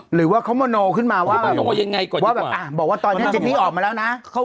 หรือว่าเขาโมโนขึ้นมาว่าบอกว่าตอนนี้จินนี่ออกมาแล้วนะ